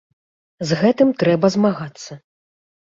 З гэтым трэба змагацца.